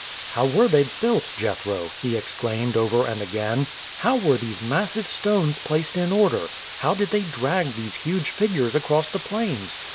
"How were they built, Jethro?" he exclaimed over and again. "How were these massive stones placed in order? How did they drag these huge figures across the plains?